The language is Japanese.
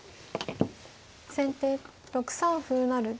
先手６三歩成。